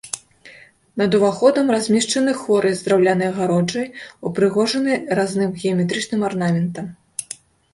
Над уваходам размешчаны хоры з драўлянай агароджай, упрыгожанай разным геаметрычным арнаментам.